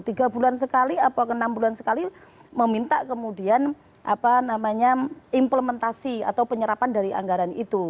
tiga bulan sekali atau enam bulan sekali meminta kemudian implementasi atau penyerapan dari anggaran itu